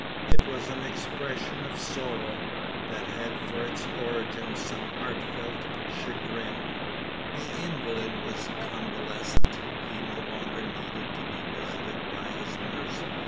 It was an expression of sorrow, that had for its origin some heartfelt chagrin. The invalid was convalescent. He no longer needed to be visited by his nurse.